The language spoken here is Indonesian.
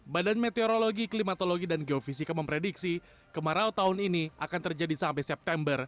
badan meteorologi klimatologi dan geofisika memprediksi kemarau tahun ini akan terjadi sampai september